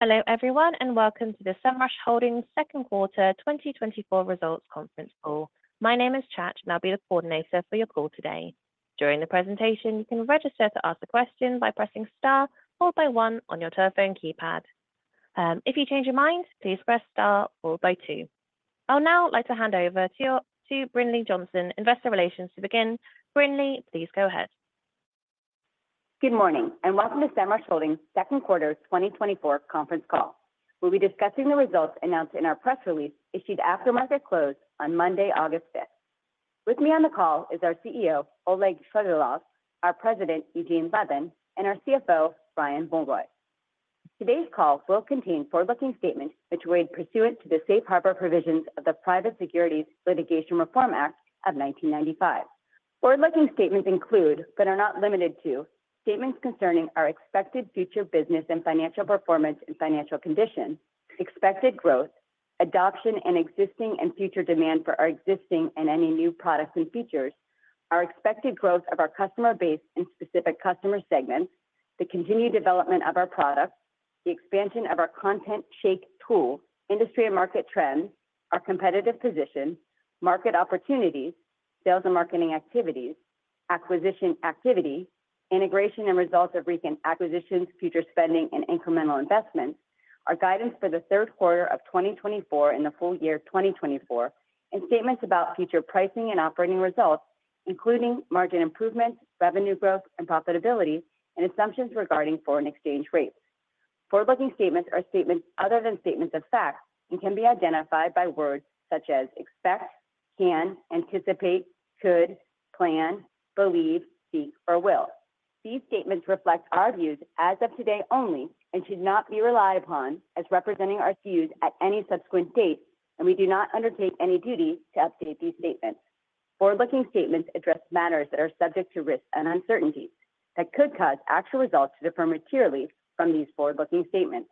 Hello, everyone, and welcome to the Semrush Holdings Q2 2024 results conference call. My name is Chat, and I'll be the coordinator for your call today. During the presentation, you can register to ask a question by pressing star one on your telephone keypad. If you change your mind, please press star two. I'll now like to hand over to Brinlea Johnson, Investor Relations, to begin. Brinlea, please go ahead. Good morning, and welcome to Semrush Holdings Q2 2024 conference call. We'll be discussing the results announced in our press release, issued after market close on Monday, August 5. With me on the call is our CEO, Oleg Shchegolev, our President, Eugene Levin, and our CFO, Brian Mulroy. Today's call will contain forward-looking statements, which we read pursuant to the Safe Harbor Provisions of the Private Securities Litigation Reform Act of 1995. Forward-looking statements include, but are not limited to, statements concerning our expected future business and financial performance and financial condition, expected growth, adoption and existing and future demand for our existing and any new products and features, our expected growth of our customer base and specific customer segments, the continued development of our products, the expansion of our ContentShake tool, industry and market trends, our competitive position, market opportunities, sales and marketing activities, acquisition activity, integration and results of recent acquisitions, future spending and incremental investments, our guidance for the Q3 of 2024 and the full year 2024, and statements about future pricing and operating results, including margin improvements, revenue growth, and profitability, and assumptions regarding foreign exchange rates. Forward-looking statements are statements other than statements of fact, and can be identified by words such as expect, can, anticipate, could, plan, believe, seek, or will. These statements reflect our views as of today only and should not be relied upon as representing our views at any subsequent date, and we do not undertake any duty to update these statements. Forward-looking statements address matters that are subject to risks and uncertainties that could cause actual results to differ materially from these forward-looking statements.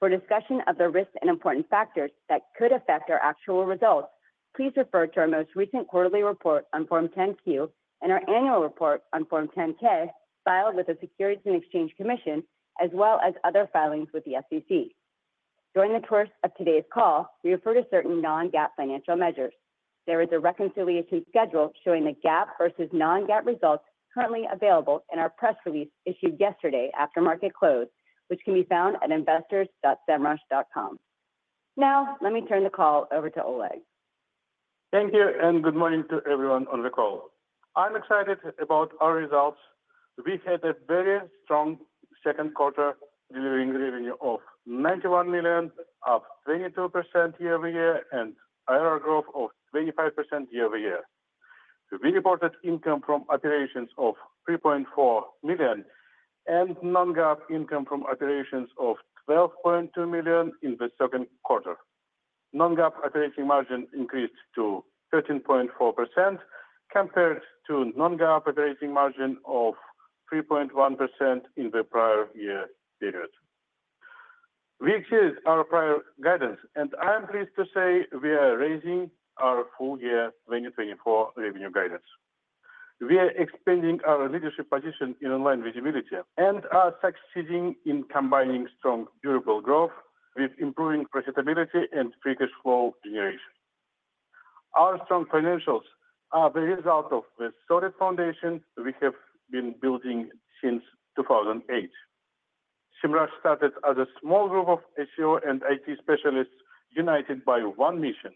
For discussion of the risks and important factors that could affect our actual results, please refer to our most recent quarterly report on Form 10-Q and our annual report on Form 10-K, filed with the Securities and Exchange Commission, as well as other filings with the SEC. During the course of today's call, we refer to certain non-GAAP financial measures. There is a reconciliation schedule showing the GAAP versus non-GAAP results currently available in our press release issued yesterday after market close, which can be found at investors.semrush.com. Now, let me turn the call over to Oleg. Thank you, and good morning to everyone on the call. I'm excited about our results. We had a very strong Q2, delivering revenue of $91 million, up 22% quarter-over-quarter, and ARR growth of 25% quarter-over-quarter. We reported income from operations of $3.4 million and non-GAAP income from operations of $12.2 million in the Q2. Non-GAAP operating margin increased to 13.4% compared to non-GAAP operating margin of 3.1% in the prior year period. We exceeded our prior guidance, and I am pleased to say we are raising our full-year 2024 revenue guidance. We are expanding our leadership position in online visibility and are succeeding in combining strong, durable growth with improving profitability and free cash flow generation. Our strong financials are the result of the solid foundation we have been building since 2008. Semrush started as a small group of SEO and IT specialists united by one mission: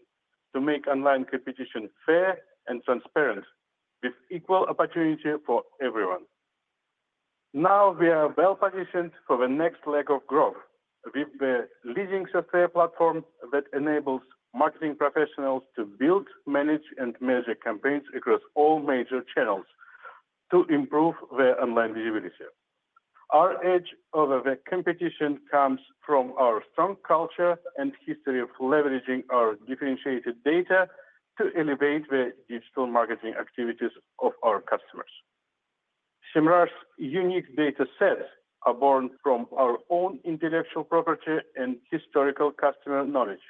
to make online competition fair and transparent, with equal opportunity for everyone. Now, we are well positioned for the next leg of growth with the leading software platform that enables marketing professionals to build, manage, and measure campaigns across all major channels to improve their online visibility. Our edge over the competition comes from our strong culture and history of leveraging our differentiated data to elevate the digital marketing activities of our customers. Semrush's unique data sets are born from our own intellectual property and historical customer knowledge,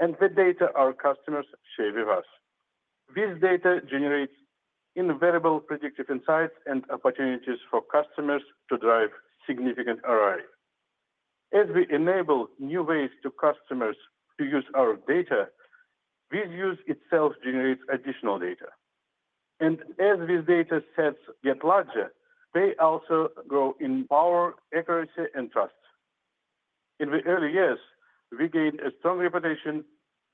and the data our customers share with us. This data generates invariable predictive insights and opportunities for customers to drive significant ROI. As we enable new ways to customers to use our data, this use itself generates additional data, and as these data sets get larger, they also grow in power, accuracy, and trust. In the early years, we gained a strong reputation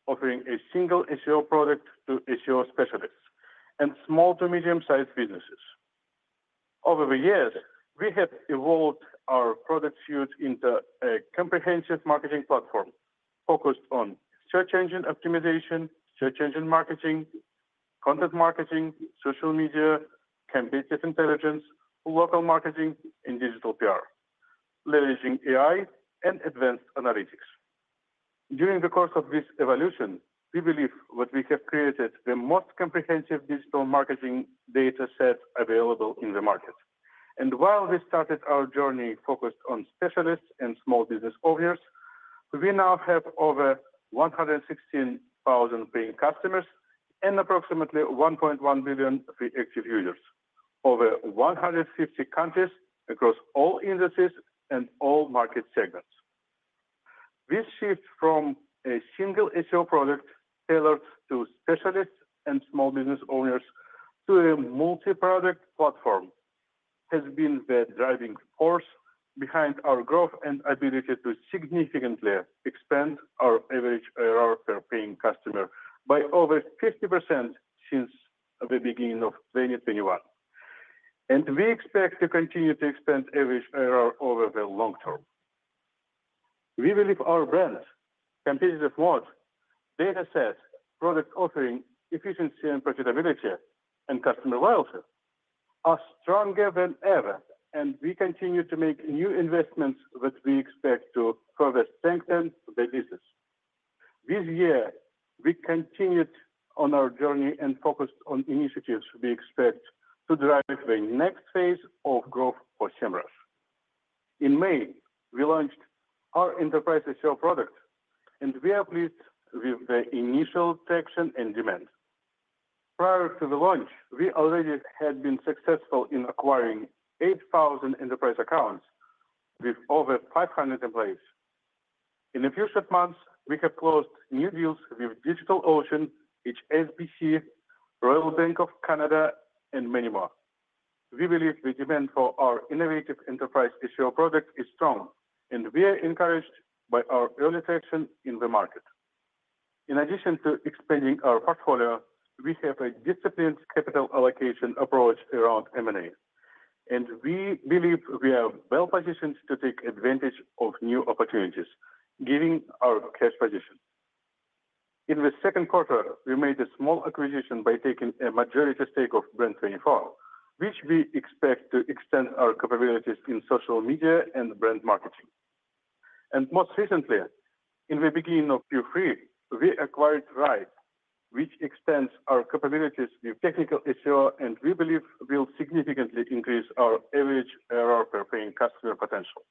offering a single SEO product to SEO specialists and small to medium-sized businesses. Over the years, we have evolved our product suite into a comprehensive marketing platform focused on search engine optimization, search engine marketing, content marketing, social media, competitive intelligence, local marketing, and digital PR, leveraging AI and advanced analytics. During the course of this evolution, we believe that we have created the most comprehensive digital marketing data set available in the market. And while we started our journey focused on specialists and small business owners-... We now have over 116,000 paying customers and approximately 1.1 billion free active users, over 150 countries across all industries and all market segments. This shift from a single SEO product tailored to specialists and small business owners to a multi-product platform has been the driving force behind our growth and ability to significantly expand our average ARR per paying customer by over 50% since the beginning of 2021. We expect to continue to expand average ARR over the long term. We believe our brand, competitive moat, data set, product offering, efficiency and profitability, and customer loyalty are stronger than ever, and we continue to make new investments that we expect to further strengthen the business. This year, we continued on our journey and focused on initiatives we expect to drive the next phase of growth for Semrush. In May, we launched our enterprise SEO product, and we are pleased with the initial traction and demand. Prior to the launch, we already had been successful in acquiring 8,000 enterprise accounts with over 500 employees. In the first few months, we have closed new deals with DigitalOcean, HSBC, Royal Bank of Canada, and many more. We believe the demand for our innovative enterprise SEO product is strong, and we are encouraged by our early traction in the market. In addition to expanding our portfolio, we have a disciplined capital allocation approach around M&A, and we believe we are well positioned to take advantage of new opportunities, giving our cash position. In the Q2, we made a small acquisition by taking a majority stake of Brand24, which we expect to extend our capabilities in social media and brand marketing. Most recently, in the beginning of Q3, we acquired Ryte, which extends our capabilities with technical SEO, and we believe will significantly increase our average ARR per paying customer potential.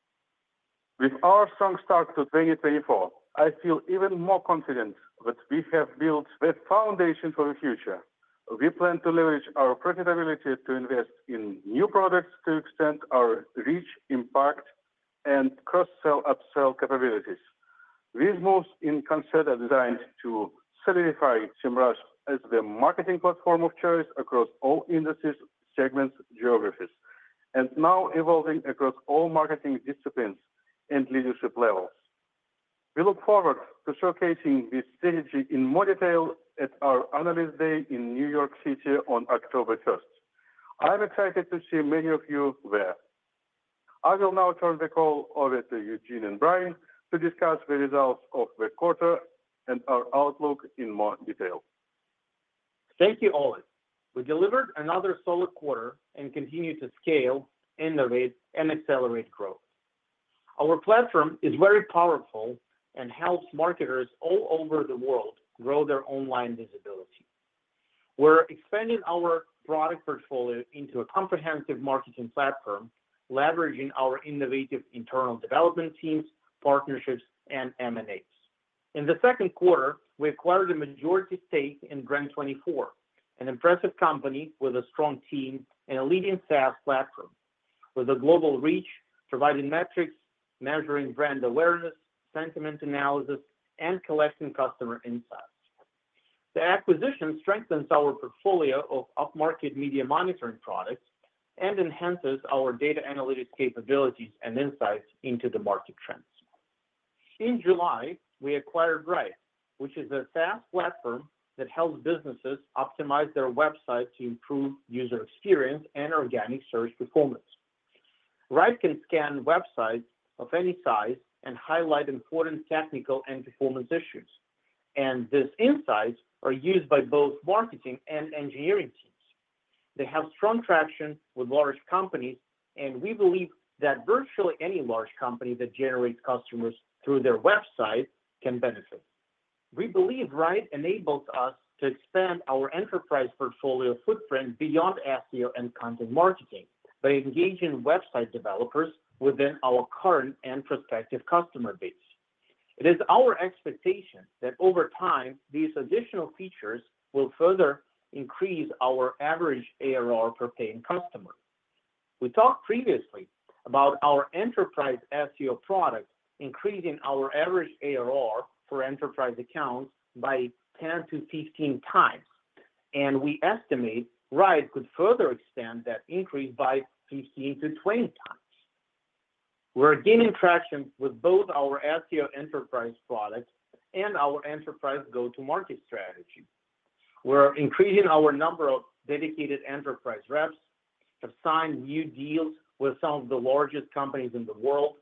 With our strong start to 2024, I feel even more confident that we have built the foundation for the future. We plan to leverage our profitability to invest in new products, to extend our reach, impact, and cross-sell, upsell capabilities. These moves in concert are designed to solidify Semrush as the marketing platform of choice across all industries, segments, geographies, and now evolving across all marketing disciplines and leadership levels. We look forward to showcasing this strategy in more detail at our Analyst Day in New York City on October first. I'm excited to see many of you there. I will now turn the call over to Eugene and Brian to discuss the results of the quarter and our outlook in more detail. Thank you, Oleg. We delivered another solid quarter and continued to scale, innovate, and accelerate growth. Our platform is very powerful and helps marketers all over the world grow their online visibility. We're expanding our product portfolio into a comprehensive marketing platform, leveraging our innovative internal development teams, partnerships, and M&As. In the Q2, we acquired a majority stake in Brand24, an impressive company with a strong team and a leading SaaS platform, with a global reach, providing metrics, measuring brand awareness, sentiment analysis, and collecting customer insights. The acquisition strengthens our portfolio of off-market media monitoring products and enhances our data analytics capabilities and insights into the market trends. In July, we acquired Ryte, which is a SaaS platform that helps businesses optimize their website to improve user experience and organic search performance. Ryte can scan websites of any size and highlight important technical and performance issues, and these insights are used by both marketing and engineering teams. They have strong traction with large companies, and we believe that virtually any large company that generates customers through their website can benefit. We believe Ryte enables us to expand our enterprise portfolio footprint beyond SEO and content marketing by engaging website developers within our current and prospective customer base. It is our expectation that over time, these additional features will further increase our average ARR per paying customer. We talked previously about our enterprise SEO product, increasing our average ARR for enterprise accounts by 10-15 times, and we estimate Ryte could further extend that increase by 15-20 times. We're gaining traction with both our SEO enterprise products and our enterprise go-to-market strategy. We're increasing our number of dedicated enterprise reps, have signed new deals with some of the largest companies in the world,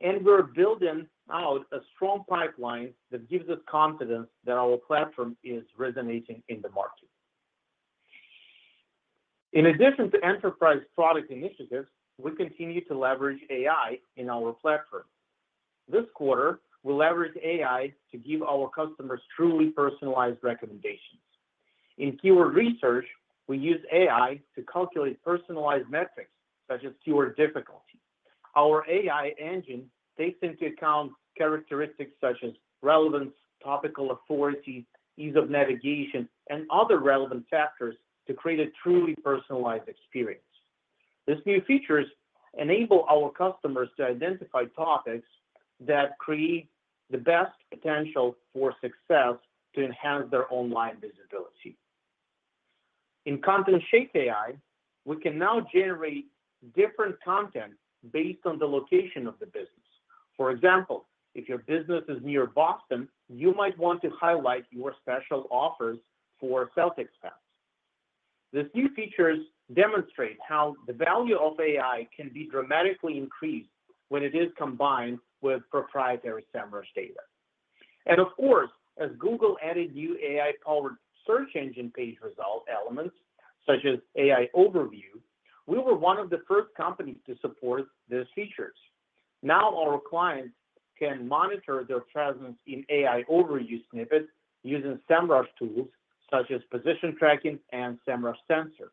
and we're building out a strong pipeline that gives us confidence that our platform is resonating in the market. In addition to enterprise product initiatives, we continue to leverage AI in our platform. This quarter, we leveraged AI to give our customers truly personalized recommendations. In keyword research, we use AI to calculate personalized metrics, such as keyword difficulty. Our AI engine takes into account characteristics such as relevance, topical authority, ease of navigation, and other relevant factors to create a truly personalized experience. These new features enable our customers to identify topics that create the best potential for success to enhance their online visibility. In ContentShake AI, we can now generate different content based on the location of the business. For example, if your business is near Boston, you might want to highlight your special offers for Celtics fans. These new features demonstrate how the value of AI can be dramatically increased when it is combined with proprietary Semrush data. And of course, as Google added new AI-powered search engine page result elements, such as AI Overview, we were one of the first companies to support these features. Now, our clients can monitor their presence in AI Overview snippets using Semrush tools, such as Position Tracking and Semrush Sensor.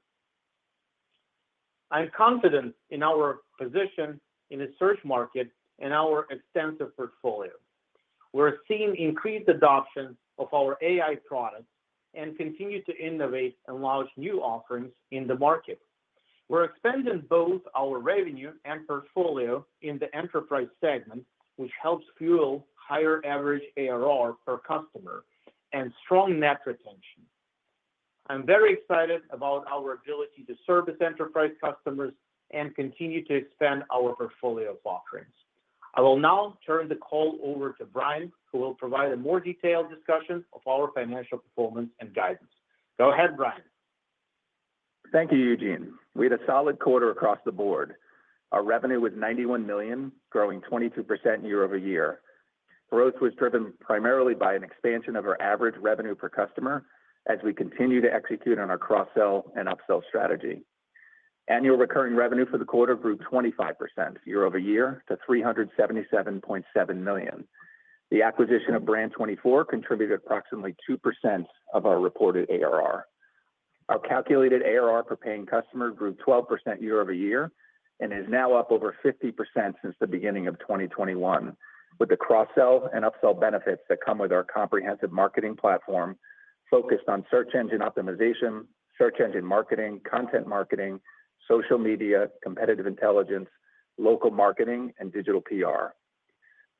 I'm confident in our position in the search market and our extensive portfolio. We're seeing increased adoption of our AI products and continue to innovate and launch new offerings in the market. We're expanding both our revenue and portfolio in the enterprise segment, which helps fuel higher average ARR per customer and strong net retention. I'm very excited about our ability to service enterprise customers and continue to expand our portfolio of offerings. I will now turn the call over to Brian, who will provide a more detailed discussion of our financial performance and guidance. Go ahead, Brian. Thank you, Eugene. We had a solid quarter across the board. Our revenue was $91 million, growing 22% quarter-over-quarter. Growth was driven primarily by an expansion of our average revenue per customer as we continue to execute on our cross-sell and upsell strategy. Annual recurring revenue for the quarter grew 25% quarter-over-quarter to $377.7 million. The acquisition of Brand24 contributed approximately 2% of our reported ARR. Our calculated ARR per paying customer grew 12% quarter-over-quarter and is now up over 50% since the beginning of 2021, with the cross-sell and upsell benefits that come with our comprehensive marketing platform focused on search engine optimization, search engine marketing, content marketing, social media, competitive intelligence, local marketing, and digital PR.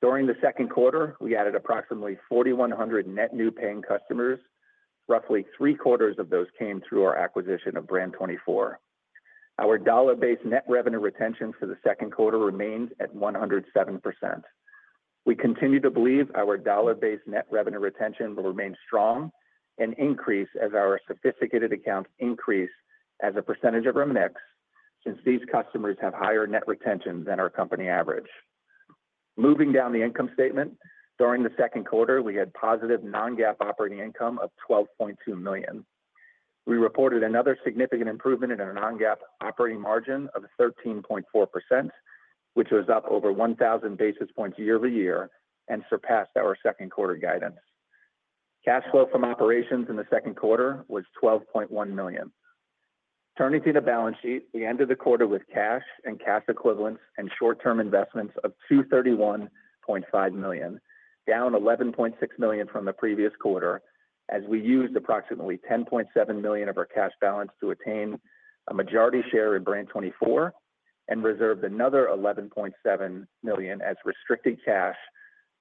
During the Q2, we added approximately 4,100 net new paying customers. Roughly three-quarters of those came through our acquisition of Brand24. Our dollar-based net revenue retention for the Q2 remains at 107%. We continue to believe our dollar-based net revenue retention will remain strong and increase as our sophisticated accounts increase as a percentage of our mix, since these customers have higher net retention than our company average. Moving down the income statement, during the Q2, we had positive non-GAAP operating income of $12.2 million. We reported another significant improvement in our non-GAAP operating margin of 13.4%, which was up over 1,000 basis points quarter-over-quarter and surpassed our Q2 guidance. Cash flow from operations in the Q2 was $12.1 million. Turning to the balance sheet, we ended the quarter with cash and cash equivalents and short-term investments of $231.5 million, down $11.6 million from the previous quarter, as we used approximately $10.7 million of our cash balance to attain a majority share in Brand24 and reserved another $11.7 million as restricted cash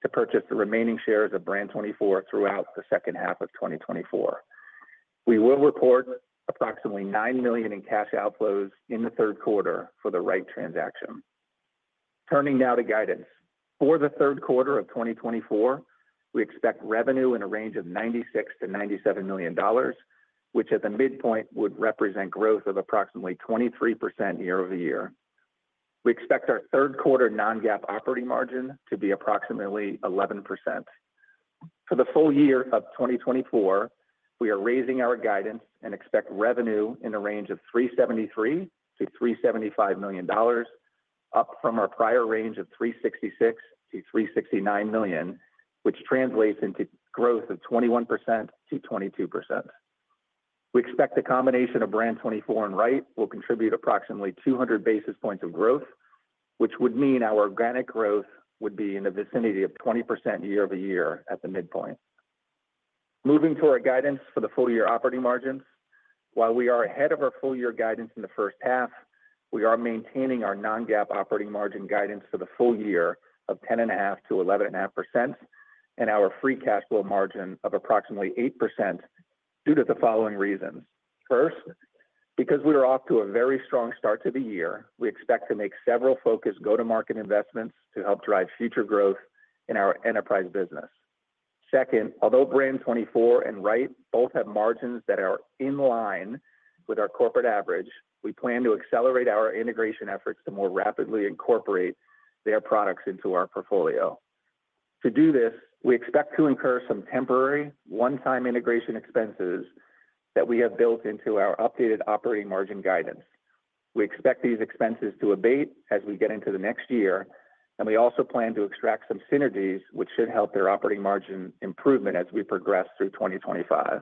to purchase the remaining shares of Brand24 throughout the H2 of 2024. We will report approximately $9 million in cash outflows in the Q3 for the Ryte transaction. Turning now to guidance. For the Q3 of 2024, we expect revenue in a range of $96 million-$97 million, which at the midpoint would represent growth of approximately 23% quarter-over-quarter. We expect our Q3 non-GAAP operating margin to be approximately 11%. For the full year of 2024, we are raising our guidance and expect revenue in the range of $373 million-$375 million, up from our prior range of $366 million-$369 million, which translates into growth of 21%-22%. We expect the combination of Brand24 and Ryte will contribute approximately 200 basis points of growth, which would mean our organic growth would be in the vicinity of 20% quarter-over-quarter at the midpoint. Moving to our guidance for the full year operating margins. While we are ahead of our full year guidance in the H1, we are maintaining our non-GAAP operating margin guidance for the full year of 10.5%-11.5%, and our free cash flow margin of approximately 8% due to the following reasons. First, because we are off to a very strong start to the year, we expect to make several focused go-to-market investments to help drive future growth in our enterprise business. Second, although Brand24 and Ryte both have margins that are in line with our corporate average, we plan to accelerate our integration efforts to more rapidly incorporate their products into our portfolio. To do this, we expect to incur some temporary one-time integration expenses that we have built into our updated operating margin guidance. We expect these expenses to abate as we get into the next year, and we also plan to extract some synergies, which should help their operating margin improvement as we progress through 2025.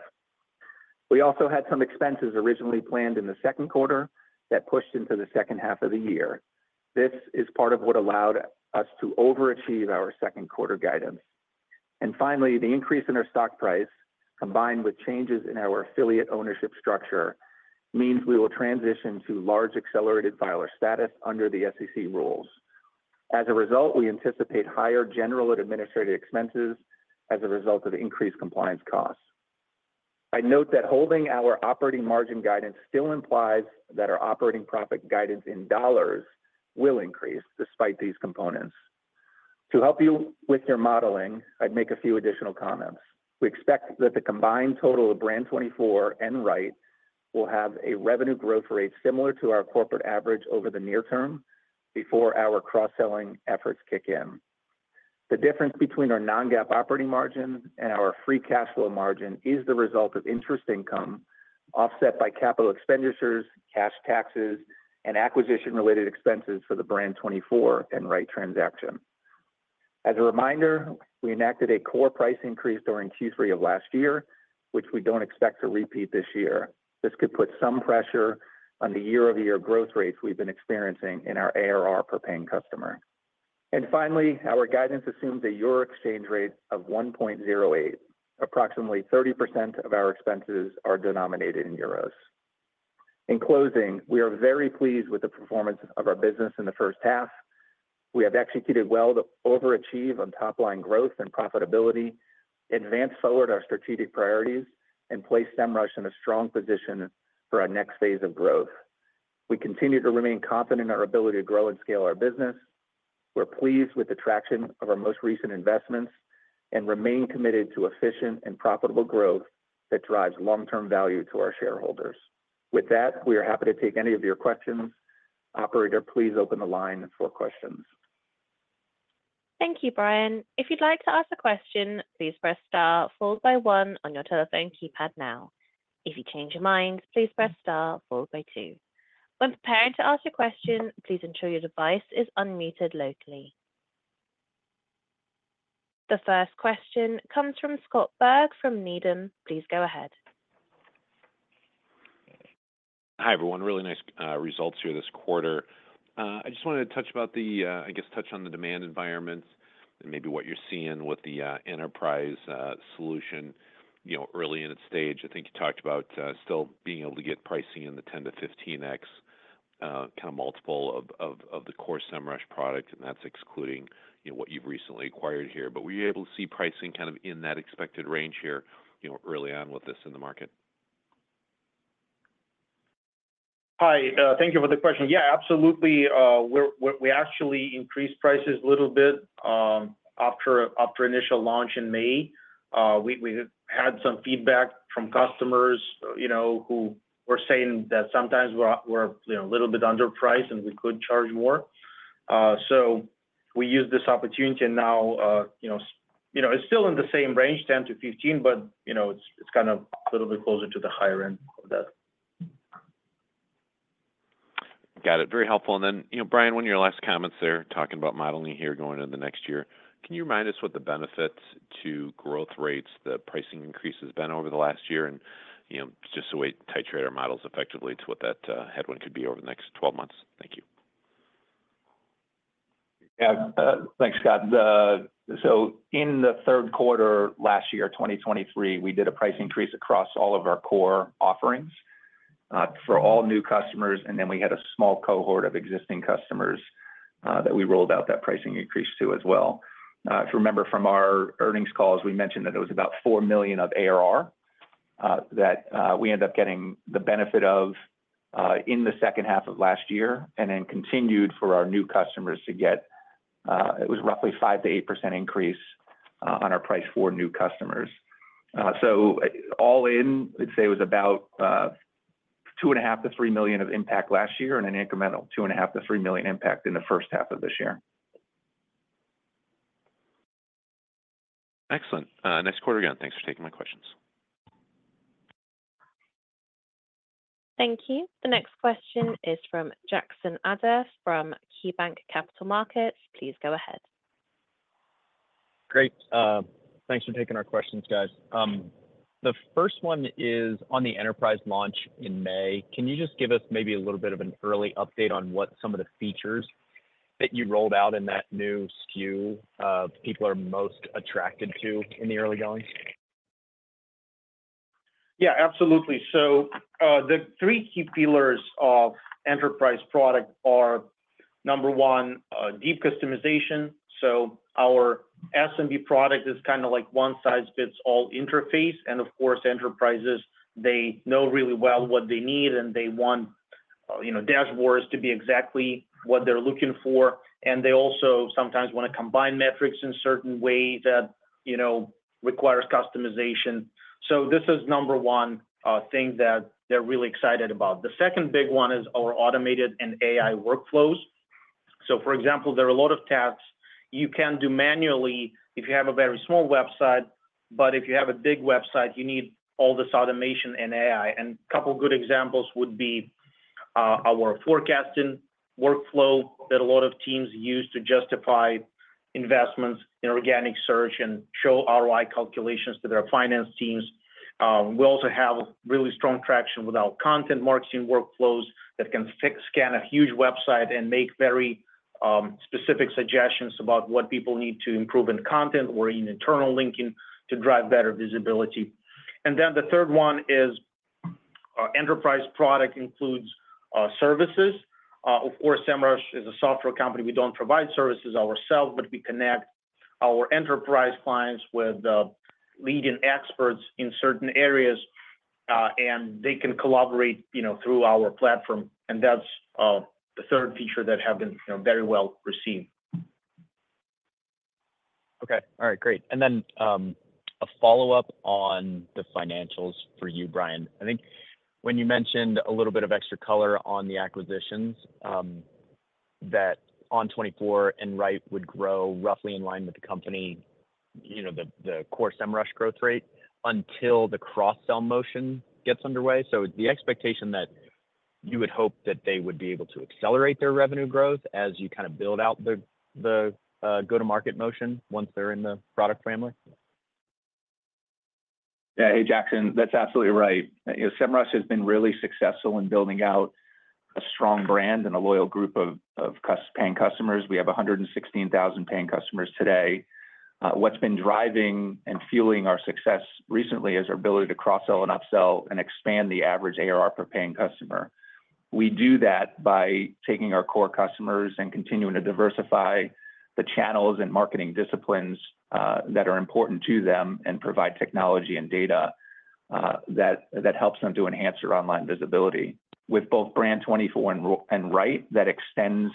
We also had some expenses originally planned in the Q2 that pushed into the H2 of the year. This is part of what allowed us to overachieve our Q2 guidance. And finally, the increase in our stock price, combined with changes in our affiliate ownership structure, means we will transition to large accelerated filer status under the SEC rules. As a result, we anticipate higher general and administrative expenses as a result of increased compliance costs. I note that holding our operating margin guidance still implies that our operating profit guidance in dollars will increase despite these components. To help you with your modeling, I'd make a few additional comments. We expect that the combined total of Brand24 and Ryte will have a revenue growth rate similar to our corporate average over the near term before our cross-selling efforts kick in. The difference between our non-GAAP operating margin and our free cash flow margin is the result of interest income offset by capital expenditures, cash taxes, and acquisition-related expenses for the Brand24 and Ryte transaction. As a reminder, we enacted a core price increase during Q3 of last year, which we don't expect to repeat this year. This could put some pressure on the quarter-over-quarter growth rates we've been experiencing in our ARR per paying customer. Finally, our guidance assumes a Euro exchange rate of 1.08. Approximately 30% of our expenses are denominated in euros. In closing, we are very pleased with the performance of our business in the H1. We have executed well to overachieve on top-line growth and profitability, advanced forward our strategic priorities, and placed Semrush in a strong position for our next phase of growth. We continue to remain confident in our ability to grow and scale our business. We're pleased with the traction of our most recent investments and remain committed to efficient and profitable growth that drives long-term value to our shareholders. With that, we are happy to take any of your questions. Operator, please open the line for questions. Thank you, Brian. If you'd like to ask a question, please press star followed by one on your telephone keypad now. If you change your mind, please press star followed by two. When preparing to ask a question, please ensure your device is unmuted locally. The first question comes from Scott Berg from Needham. Please go ahead. Hi, everyone. Really nice results here this quarter. I just wanted to touch on the demand environment and maybe what you're seeing with the enterprise solution, you know, early in its stage. I think you talked about still being able to get pricing in the 10-15x kind of multiple of the core Semrush product, and that's excluding, you know, what you've recently acquired here. But were you able to see pricing kind of in that expected range here, you know, early on with this in the market? Hi, thank you for the question. Yeah, absolutely. We actually increased prices a little bit after initial launch in May. We had some feedback from customers, you know, who were saying that sometimes we're, you know, a little bit underpriced, and we could charge more. So we used this opportunity and now, you know, it's still in the same range, $10-$15, but, you know, it's kind of a little bit closer to the higher end of that. Got it. Very helpful. And then, you know, Brian, one of your last comments there, talking about modeling here going into the next year, can you remind us what the benefit to growth rates, the pricing increase has been over the last year? And, you know, just the way titrate our models effectively to what that headwind could be over the next twelve months. Thank you. Yeah. Thanks, Scott. So in the Q3, last year, 2023, we did a price increase across all of our core offerings, for all new customers, and then we had a small cohort of existing customers, that we rolled out that pricing increase to as well. If you remember from our earnings calls, we mentioned that it was about $4 million of ARR, that we ended up getting the benefit of, in the H2 of last year and then continued for our new customers to get, it was roughly 5%-8% increase, on our price for new customers. All in, I'd say it was about $2.5 million-$3 million of impact last year and an incremental $2.5 million-$3 million impact in the H1 of this year. Excellent. Thanks again. Thanks for taking my questions. Thank you. The next question is from Jackson Ader from KeyBanc Capital Markets. Please go ahead. Great. Thanks for taking our questions, guys. The first one is on the enterprise launch in May. Can you just give us maybe a little bit of an early update on what some of the features that you rolled out in that new SKU, people are most attracted to in the early going? Yeah, absolutely. So, the three key pillars of enterprise product are, number one, deep customization. So our SMB product is kinda like one-size-fits-all interface, and of course, enterprises, they know really well what they need, and they want, you know, dashboards to be exactly what they're looking for, and they also sometimes want to combine metrics in certain ways that, you know, requires customization. So this is number one, thing that they're really excited about. The second big one is our automated and AI workflows.... So for example, there are a lot of tasks you can do manually if you have a very small website, but if you have a big website, you need all this automation and AI. And a couple of good examples would be our forecasting workflow that a lot of teams use to justify investments in organic search and show ROI calculations to their finance teams. We also have really strong traction with our content marketing workflows that can scan a huge website and make very specific suggestions about what people need to improve in content or in internal linking to drive better visibility. And then the third one is our enterprise product includes services. Of course, Semrush is a software company. We don't provide services ourselves, but we connect our enterprise clients with leading experts in certain areas, and they can collaborate, you know, through our platform, and that's the third feature that have been, you know, very well received. Okay. All right, great. And then, a follow-up on the financials for you, Brian. I think when you mentioned a little bit of extra color on the acquisitions, that on Brand24 and Ryte would grow roughly in line with the company, you know, the, the core Semrush growth rate until the cross-sell motion gets underway. So is the expectation that you would hope that they would be able to accelerate their revenue growth as you kind of build out the, the, go-to-market motion once they're in the product family? Yeah. Hey, Jackson, that's absolutely right. You know, Semrush has been really successful in building out a strong brand and a loyal group of paying customers. We have 116,000 paying customers today. What's been driving and fueling our success recently is our ability to cross-sell and upsell and expand the average ARR per paying customer. We do that by taking our core customers and continuing to diversify the channels and marketing disciplines that are important to them and provide technology and data that helps them to enhance their online visibility. With both Brand24 and Ryte, that extends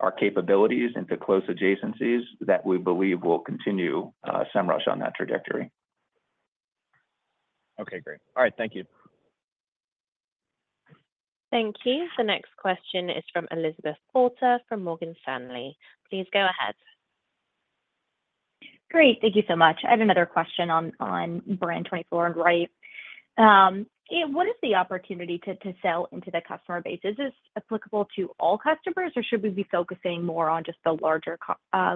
our capabilities into close adjacencies that we believe will continue Semrush on that trajectory. Okay, great. All right. Thank you. Thank you. The next question is from Elizabeth Porter, from Morgan Stanley. Please go ahead. Great. Thank you so much. I have another question on Brand24 and Ryte. What is the opportunity to sell into the customer base? Is this applicable to all customers, or should we be focusing more on just the larger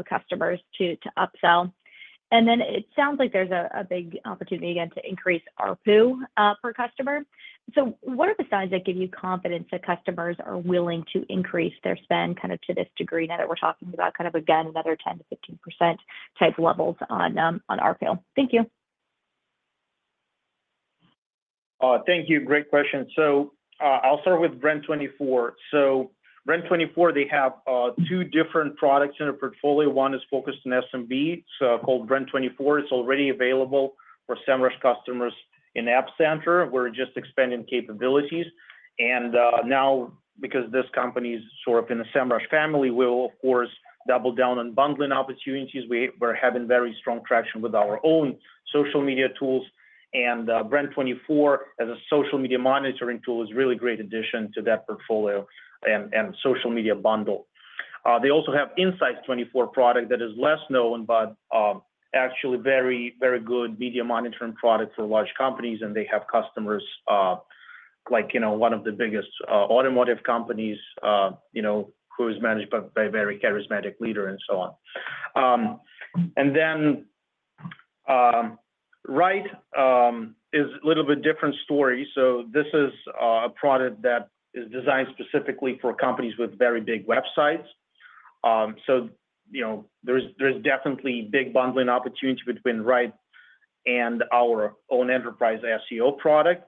customers to upsell? And then it sounds like there's a big opportunity again to increase ARPU per customer. So what are the signs that give you confidence that customers are willing to increase their spend kind of to this degree now that we're talking about kind of again another 10%-15% type levels on ARPU? Thank you. Thank you. Great question. So, I'll start with Brand24. So Brand24, they have two different products in their portfolio. One is focused on SMB, it's called Brand24. It's already available for Semrush customers in App Center. We're just expanding capabilities. And now, because this company is sort of in the Semrush family, we will, of course, double down on bundling opportunities. We're having very strong traction with our own social media tools, and Brand24, as a social media monitoring tool, is a really great addition to that portfolio and social media bundle. They also have Insights24 product that is less known, but actually very, very good media monitoring product for large companies, and they have customers, like, you know, one of the biggest automotive companies, you know, who is managed by a very charismatic leader and so on. And then, Ryte is a little bit different story. So this is a product that is designed specifically for companies with very big websites. So, you know, there's definitely big bundling opportunity between Ryte and our own enterprise SEO product.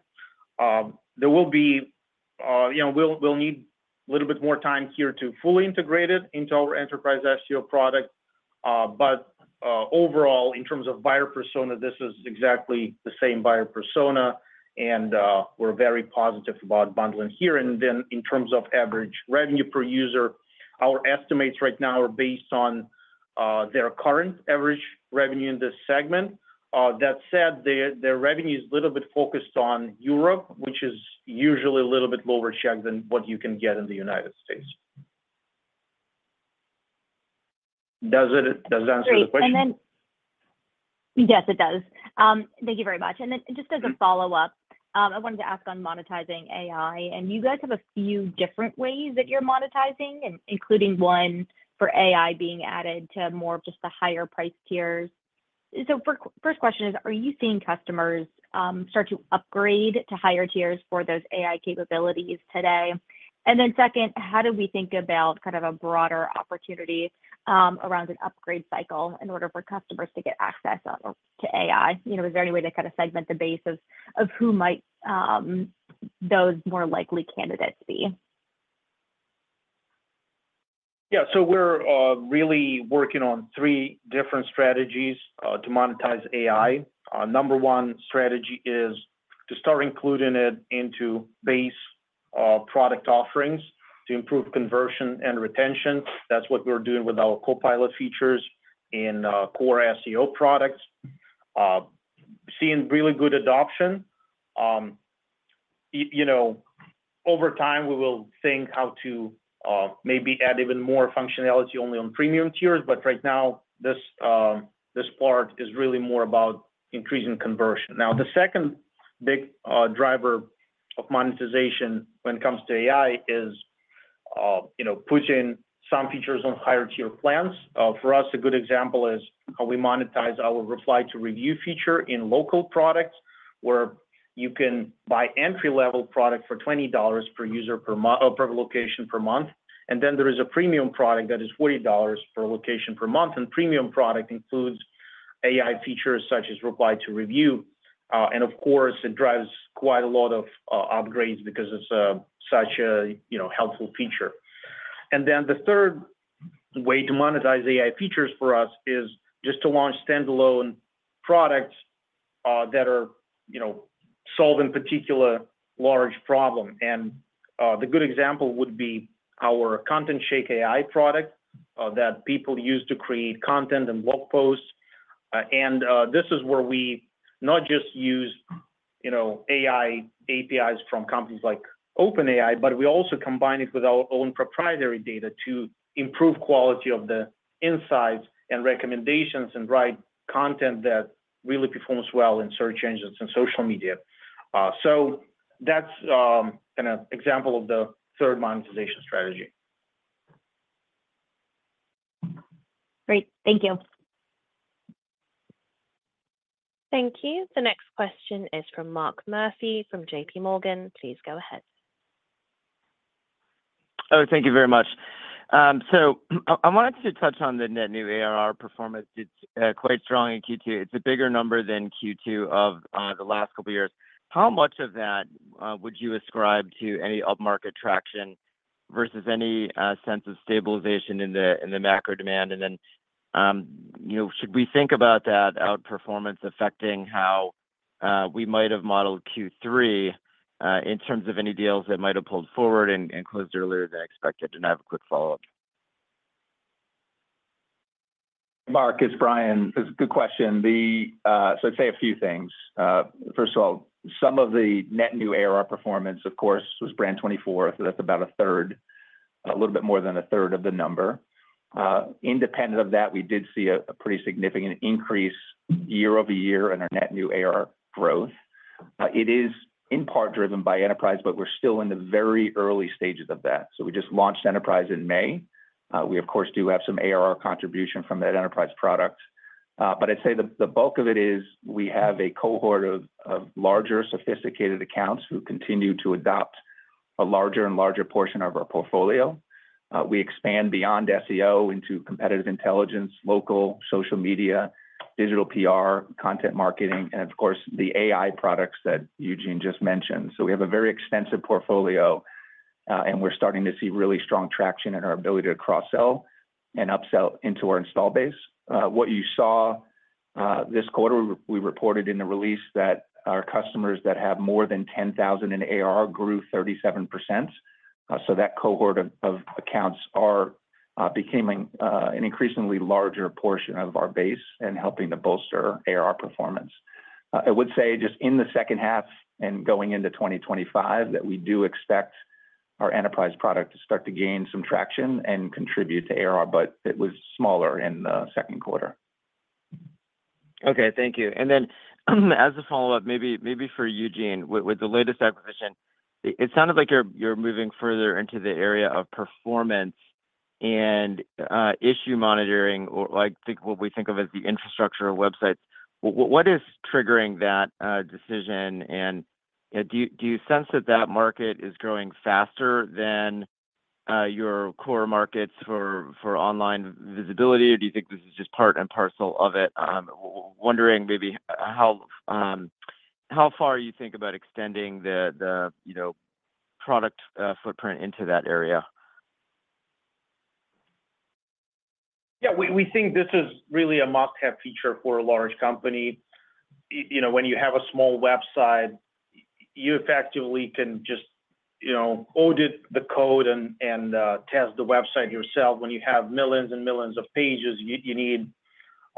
There will be, you know, we'll need a little bit more time here to fully integrate it into our enterprise SEO product. But, overall, in terms of buyer persona, this is exactly the same buyer persona, and we're very positive about bundling here. And then in terms of average revenue per user, our estimates right now are based on their current average revenue in this segment. That said, their revenue is a little bit focused on Europe, which is usually a little bit lower check than what you can get in the United States. Does it answer the question? Great. And then... Yes, it does. Thank you very much. And then just as a follow-up, I wanted to ask on monetizing AI, and you guys have a few different ways that you're monetizing, including one for AI being added to more of just the higher price tiers. So first question is, are you seeing customers start to upgrade to higher tiers for those AI capabilities today? And then second, how do we think about kind of a broader opportunity around an upgrade cycle in order for customers to get access to AI? You know, is there any way to kind of segment the base of who might those more likely candidates be? Yeah. So we're really working on three different strategies to monetize AI. Number one strategy is to start including it into base product offerings to improve conversion and retention. That's what we're doing with our Copilot features in core SEO products. Seeing really good adoption, you know, over time, we will think how to maybe add even more functionality only on premium tiers, but right now, this part is really more about increasing conversion. Now, the second big driver of monetization when it comes to AI is you know, pushing some features on higher tier plans. For us, a good example is how we monetize our reply to review feature in local products, where you can buy entry-level product for $20 per user, per location, per month. Then there is a premium product that is $40 per location per month, and premium product includes AI features such as reply to review. And of course, it drives quite a lot of upgrades because it's such a, you know, helpful feature. Then the third way to monetize AI features for us is just to launch standalone products that are, you know, solve in particular large problem. The good example would be our ContentShake AI product that people use to create content and blog posts. This is where we not just use, you know, AI APIs from companies like OpenAI, but we also combine it with our own proprietary data to improve quality of the insights and recommendations, and write content that really performs well in search engines and social media. That's an example of the third monetization strategy. Great. Thank you. Thank you. The next question is from Mark Murphy from J.P. Morgan. Please go ahead. Oh, thank you very much. So I wanted to touch on the net new ARR performance. It's quite strong in Q2. It's a bigger number than Q2 of the last couple of years. How much of that would you ascribe to any upmarket traction versus any sense of stabilization in the macro demand? And then, you know, should we think about that outperformance affecting how we might have modeled Q3 in terms of any deals that might have pulled forward and closed earlier than expected? And I have a quick follow-up. Mark, it's Brian. It's a good question. The... So I'd say a few things. First of all, some of the net new ARR performance, of course, was Brand24, so that's about a third, a little bit more than a third of the number. Independent of that, we did see a pretty significant increase quarter-over-quarter in our net new ARR growth. It is in part driven by enterprise, but we're still in the very early stages of that. So we just launched enterprise in May. We, of course, do have some ARR contribution from that enterprise product. But I'd say the bulk of it is we have a cohort of larger, sophisticated accounts who continue to adopt a larger and larger portion of our portfolio. We expand beyond SEO into competitive intelligence, local, social media, digital PR, content marketing, and of course, the AI products that Eugene just mentioned. So we have a very extensive portfolio, and we're starting to see really strong traction in our ability to cross-sell and upsell into our install base. What you saw this quarter, we reported in the release that our customers that have more than 10,000 in ARR grew 37%. So that cohort of accounts are becoming an increasingly larger portion of our base and helping to bolster ARR performance. I would say just in the H2 and going into 2025, that we do expect our enterprise product to start to gain some traction and contribute to ARR, but it was smaller in the Q2. Okay, thank you. And then, as a follow-up, maybe, maybe for Eugene, with, with the latest acquisition, it, it sounded like you're, you're moving further into the area of performance and, issue monitoring, or like, think what we think of as the infrastructure of websites. What, what is triggering that, decision? And, do you, do you sense that that market is growing faster than, your core markets for, for online visibility, or do you think this is just part and parcel of it? Wondering maybe how, how far you think about extending the, the, you know, product, footprint into that area. Yeah, we think this is really a must-have feature for a large company. You know, when you have a small website, you effectively can just, you know, audit the code and test the website yourself. When you have millions and millions of pages, you need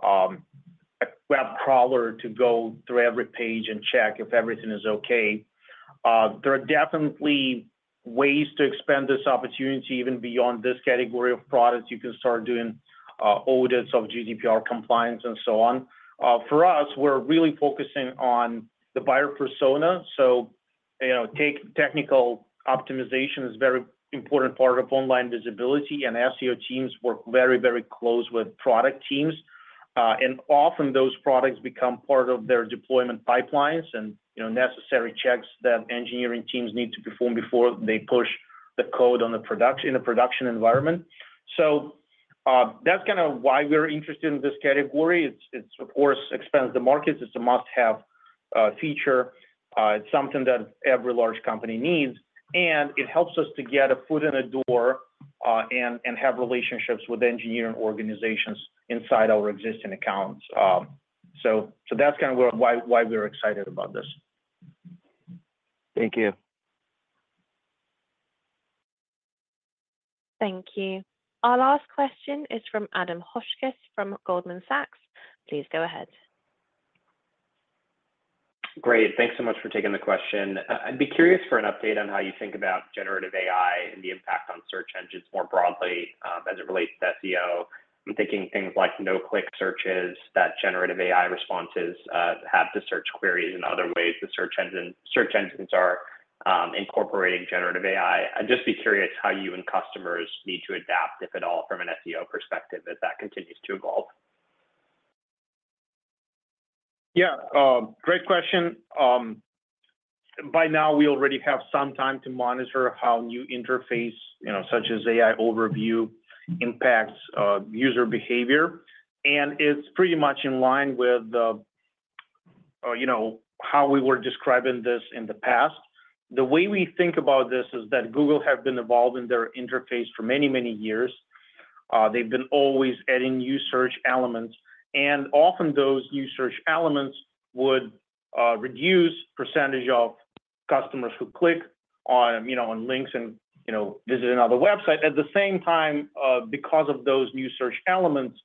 a web crawler to go through every page and check if everything is okay. There are definitely ways to expand this opportunity even beyond this category of products. You can start doing audits of GDPR compliance and so on. For us, we're really focusing on the buyer persona, so, you know, technical optimization is a very important part of online visibility, and SEO teams work very, very close with product teams. And often those products become part of their deployment pipelines and, you know, necessary checks that engineering teams need to perform before they push the code in a production environment. So, that's kinda why we're interested in this category. It, of course, expands the markets. It's a must-have feature, it's something that every large company needs, and it helps us to get a foot in the door and have relationships with engineering organizations inside our existing accounts. So, that's kinda why we're excited about this. Thank you. Thank you. Our last question is from Adam Hotchkiss from Goldman Sachs. Please go ahead. Great. Thanks so much for taking the question. I'd be curious for an update on how you think about generative AI and the impact on search engines more broadly, as it relates to SEO. I'm thinking things like no-click searches that generative AI responses have to search queries and other ways search engines are incorporating generative AI. I'd just be curious how you and customers need to adapt, if at all, from an SEO perspective, as that continues to evolve. Yeah, great question. By now, we already have some time to monitor how new interface, you know, such as AI Overview, impacts user behavior. And it's pretty much in line with the, you know, how we were describing this in the past. The way we think about this is that Google have been involved in their interface for many, many years. They've been always adding new search elements, and often, those new search elements would reduce percentage of customers who click on, you know, on links and, you know, visit another website. At the same time, because of those new search elements,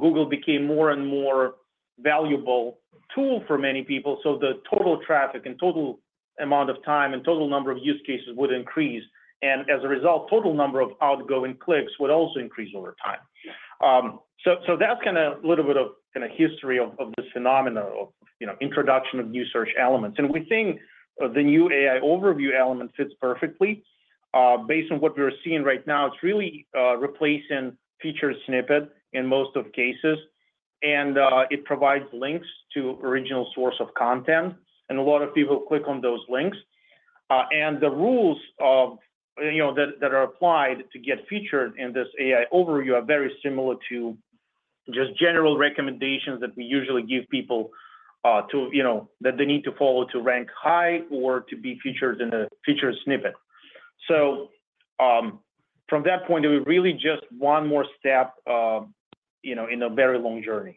Google became more and more valuable tool for many people, so the total traffic and total amount of time, and total number of use cases would increase. As a result, total number of outgoing clicks would also increase over time. So that's kinda a little bit of kinda history of of this phenomena of, you know, introduction of new search elements. We think the new AI Overview element fits perfectly. Based on what we are seeing right now, it's really replacing featured snippet in most of cases, and it provides links to original source of content, and a lot of people click on those links. And the rules of... you know, that that are applied to get featured in this AI Overview are very similar to just general recommendations that we usually give people, to, you know, that they need to follow to rank high or to be featured in a featured snippet. From that point of view, really just one more step, you know, in a very long journey.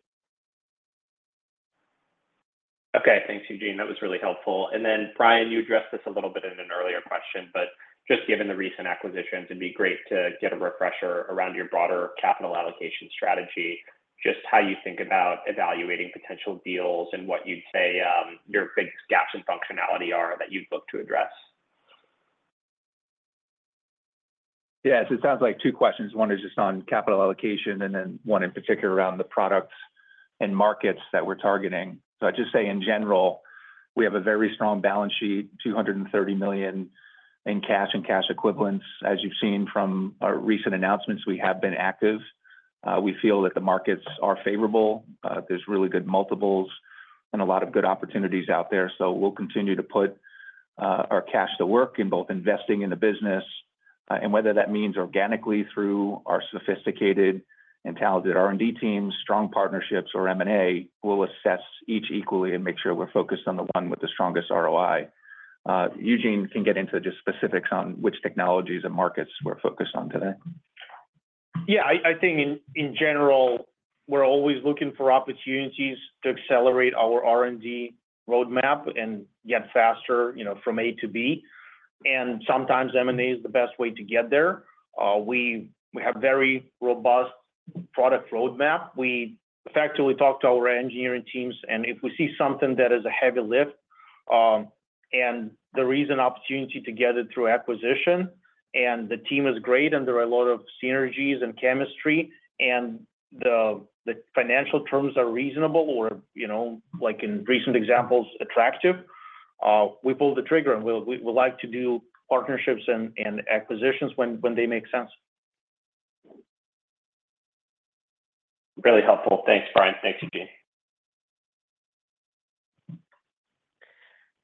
Okay. Thanks, Eugene. That was really helpful. And then, Brian, you addressed this a little bit in an earlier question, but just given the recent acquisitions, it'd be great to get a refresher around your broader capital allocation strategy. Just how you think about evaluating potential deals and what you'd say your big gaps in functionality are that you'd look to address. Yes, it sounds like two questions. One is just on capital allocation, and then one in particular, around the products and markets that we're targeting. So I'd just say, in general, we have a very strong balance sheet, $230 million in cash and cash equivalents. As you've seen from our recent announcements, we have been active. We feel that the markets are favorable. There's really good multiples and a lot of good opportunities out there. So we'll continue to put our cash to work in both investing in the business, and whether that means organically through our sophisticated and talented R&D teams, strong partnerships, or M&A, we'll assess each equally and make sure we're focused on the one with the strongest ROI. Eugene can get into just specifics on which technologies and markets we're focused on today. Yeah, I think in general, we're always looking for opportunities to accelerate our R&D roadmap and get faster, you know, from A to B, and sometimes M&A is the best way to get there. We have very robust product roadmap. We effectively talk to our engineering teams, and if we see something that is a heavy lift, and there is an opportunity to get it through acquisition, and the team is great, and there are a lot of synergies and chemistry, and the financial terms are reasonable, or, you know, like in recent examples, attractive, we pull the trigger, and we would like to do partnerships and acquisitions when they make sense. Really helpful. Thanks, Brian. Thanks, Eugene.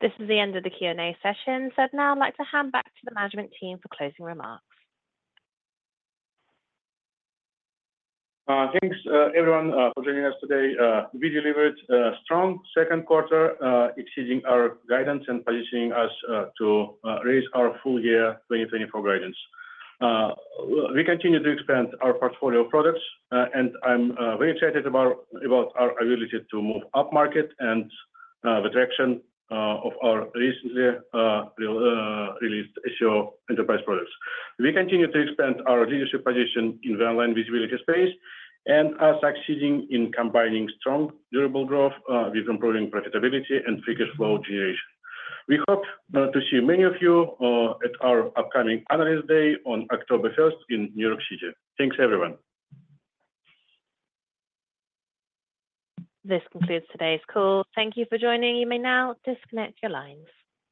This is the end of the Q&A session. I'd now like to hand back to the management team for closing remarks. Thanks, everyone, for joining us today. We delivered a strong Q2, exceeding our guidance and positioning us to raise our full year 2024 guidance. We continue to expand our portfolio of products, and I'm very excited about our ability to move upmarket and the direction of our recently released SEO enterprise products. We continue to expand our leadership position in the online visibility space and are succeeding in combining strong, durable growth with improving profitability and free cash flow generation. We hope to see many of you at our upcoming Analyst Day on October first in New York City. Thanks, everyone. This concludes today's call. Thank you for joining. You may now disconnect your lines.